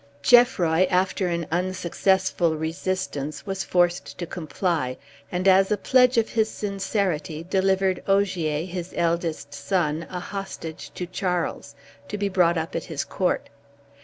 Geoffroy, after an unsuccessful resistance, was forced to comply, and as a pledge of his sincerity delivered Ogier, his eldest son, a hostage to Charles, to be brought up at his court.